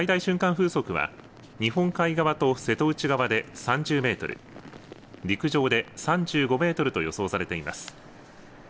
風速は日本海側と瀬戸内側で３０メートル陸上で３５メートルと予想されています。